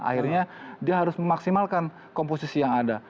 akhirnya dia harus memaksimalkan komposisi yang ada